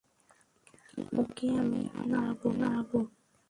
ওকে, আমি হাত নাড়ব।